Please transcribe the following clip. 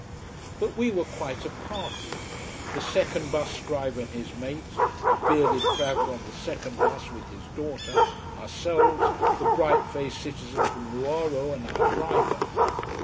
But we were quite a party: the second bus driver and his mate, a bearded traveller on the second bus, with his daughter, ourselves, the bright faced citizen from Nuoro, and our driver.